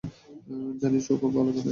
জানিস, ও খুব ভাল গান গায়।